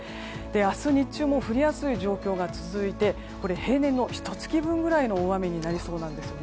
明日日中も降りやすい状況が続いて平年のひと月分くらいの大雨になりそうなんです。